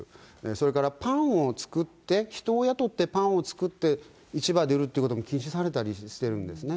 それから、パンを作って、人を雇ってパンを作って市場で売るってことも禁止されたりしてるんですね。